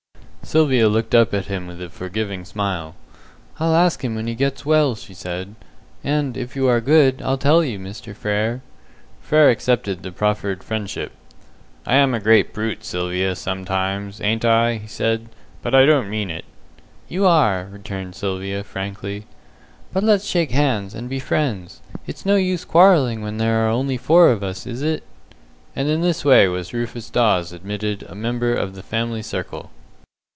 Sylvia looked up at him with a forgiving smile. "I'll ask him when he gets well," she said, "and if you are good, I'll tell you, Mr. Frere." Frere accepted the proffered friendship. "I am a great brute, Sylvia, sometimes, ain't I?" he said, "but I don't mean it." "You are," returned Sylvia, frankly, "but let's shake hands, and be friends. It's no use quarrelling when there are only four of us, is it?" And in this way was Rufus Dawes admitted a member of the family circle.